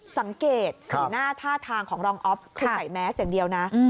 สังเกตสีหน้าท่าทางของรองอ๊อฟคือใส่แมสอย่างเดียวนะ